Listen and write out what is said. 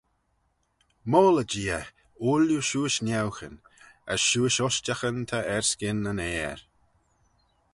Moylley-jee eh, ooilley shiuish niaughyn: as shiuish ushtaghyn ta erskyn yn aer.